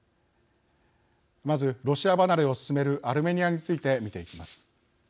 まずロシア離れを進めるアルメニアについて見ていきます。